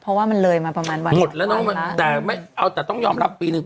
เพราะว่ามันเลยมาประมาณวันหมดแล้วเนอะแต่ไม่เอาแต่ต้องยอมรับปีนึง